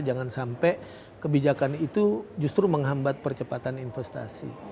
jangan sampai kebijakan itu justru menghambat percepatan investasi